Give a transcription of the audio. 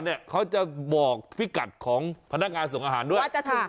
มันบอกไง